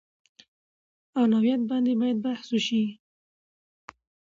او نوعیت باندې باید بحث وشي